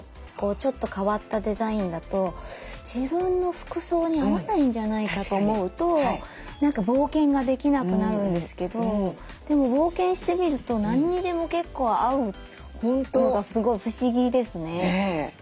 ちょっと変わったデザインだと自分の服装に合わないんじゃないかと思うと冒険ができなくなるんですけどでも冒険してみると何にでも結構合うのがすごい不思議ですね。